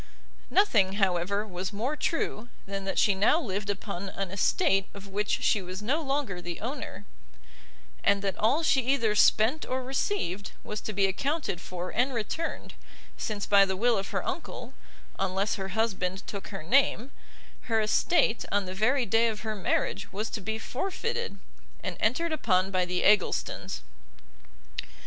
Nothing, however, was more true, than that she now lived upon an estate of which she no longer was the owner, and that all she either spent or received was to be accounted for and returned, since by the will of her uncle, unless her husband took her name, her estate on the very day of her marriage was to be forfeited, and entered upon by the Egglestons.